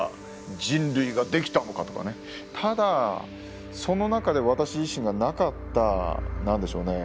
ただその中で私自身がなかった何でしょうね